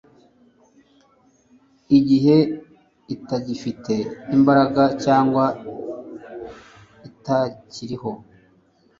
igihe itagifite imbaraga cyangwa itakiriho